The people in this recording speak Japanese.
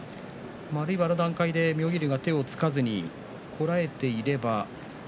あるいはあの段階で、妙義龍が手をつかずにこらえていれば。